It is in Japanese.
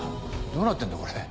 どうなってんだこれ。